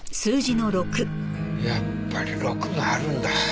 やっぱり６があるんだ。